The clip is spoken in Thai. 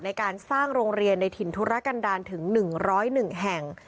ในการสร้างโรงเรียนในถิ่นธุรกันดาลถึง๑๐๑แห่ง